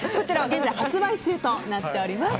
現在発売中となっております。